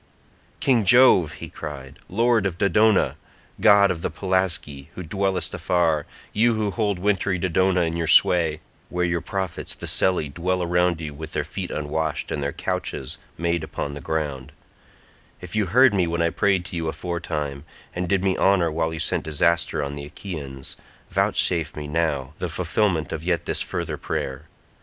"King Jove," he cried, "lord of Dodona, god of the Pelasgi, who dwellest afar, you who hold wintry Dodona in your sway, where your prophets the Selli dwell around you with their feet unwashed and their couches made upon the ground—if you heard me when I prayed to you aforetime, and did me honour while you sent disaster on the Achaeans, vouchsafe me now the fulfilment of yet this further prayer.